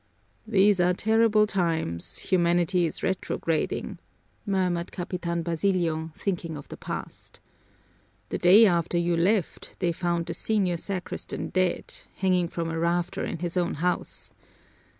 "These are terrible times, humanity is retrograding," murmured Capitan Basilio, thinking of the past. "The day after you left they found the senior sacristan dead, hanging from a rafter in his own house.